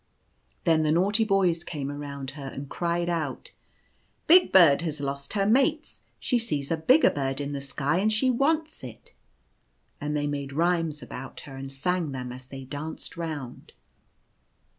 Then the naughty boys came around her and cried out, " Big Bird has lost her mates. She sees a bigger bird in the sky, and she wants it." And they made rhymes about her, and sang them as they danced round.